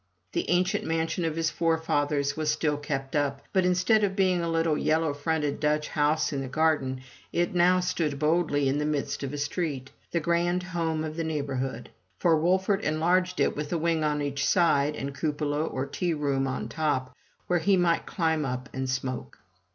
The ancient mansion of his forefathers was still kept up; but instead of being a little yellow fronted Dutch house in a garden, it now stood boldly in the midst of a street, the grand home of the neighborhood; for Wolfert enlarged it with a wing on each side, and cupola or tea room on top, where he might climb up and smoke.